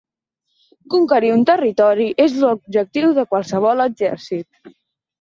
Conquerir un territori és l'objectiu de qualsevol exèrcit.